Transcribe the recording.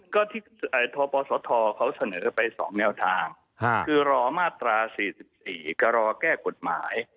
ก็ที่ทปศธเขาเสนอไป๒แนวทางคือรอมาตรา๔๔ก็รอแก้กฎหมาย